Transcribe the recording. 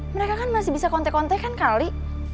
mereka kan masih bisa kontek kontek kan kali